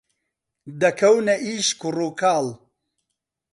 دەکەونە ئیش کوڕ و کاڵ